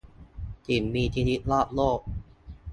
สิ่งมีชีวิตนอกโลก